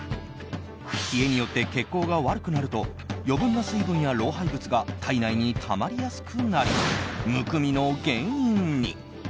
冷えによって血行が悪くなると余分な水分や老廃物が体内にたまりやすくなりむくみの原因に。